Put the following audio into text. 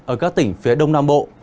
ở các tỉnh phía đông nam bộ